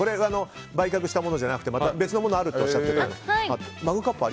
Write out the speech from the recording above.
売却したものじゃなくて別のものがあるとおっしゃっていたので。